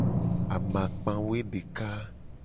Amakpa woedeka.